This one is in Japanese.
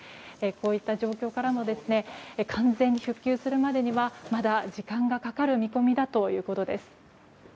こういった状況からも完全に復旧するまでにはまだ時間がかかる見込みだということです。